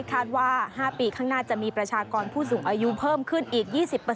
คาดว่า๕ปีข้างหน้าจะมีประชากรผู้สูงอายุเพิ่มขึ้นอีก๒๐